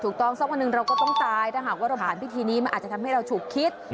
สักวันหนึ่งเราก็ต้องตายถ้าหากว่าเราผ่านพิธีนี้มันอาจจะทำให้เราฉุกคิด